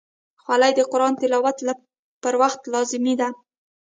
خولۍ د قرآن تلاوت پر وخت لازمي ده.